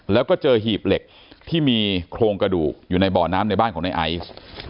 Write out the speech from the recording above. แล้วก็เจอหีบเหล็กที่มีโครงกระดูกอยู่ในบ่อน้ำในบ้านของในไอซ์